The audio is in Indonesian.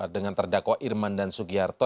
dengan terdakwa irman dan sugiharto